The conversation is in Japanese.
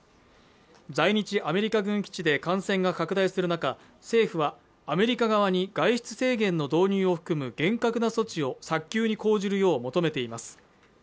在日アメリカ軍基地で感染が拡大する中、政府はアメリカ側に外出制限の導入を含む厳格な措置を早急に講じるよう求めています。